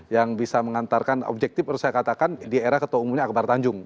yang bisa mengantarkan objektif harus saya katakan di era ketua umumnya akbar tanjung